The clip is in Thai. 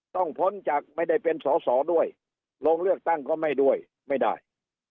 พ้นจากไม่ได้เป็นสอสอด้วยลงเลือกตั้งก็ไม่ด้วยไม่ได้